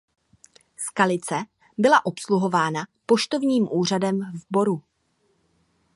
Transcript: Skalice byla obsluhována poštovním úřadem v Boru.